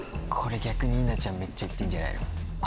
逆に稲ちゃんめっちゃ行ってんじゃないの？